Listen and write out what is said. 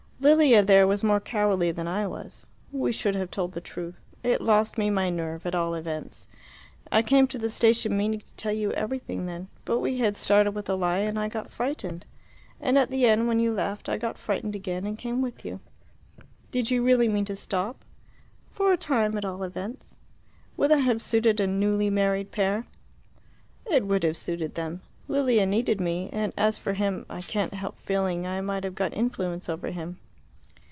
Lilia there was more cowardly than I was. We should have told the truth. It lost me my nerve, at all events. I came to the station meaning to tell you everything then. But we had started with a lie, and I got frightened. And at the end, when you left, I got frightened again and came with you." "Did you really mean to stop?" "For a time, at all events." "Would that have suited a newly married pair?" "It would have suited them. Lilia needed me. And as for him I can't help feeling I might have got influence over him."